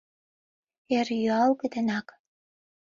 Эр юалге денак.